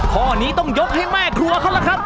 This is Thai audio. ข้อนี้ต้องยกให้แม่ครัวเขาล่ะครับ